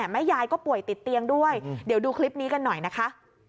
แม่ยายก็ป่วยติดเตียงด้วยเดี๋ยวดูคลิปนี้กันหน่อยนะคะ